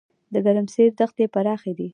د ګرمسیر دښتې پراخې دي